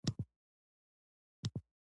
له دې پرته پانګوال اضافي ارزښت نشي ګټلی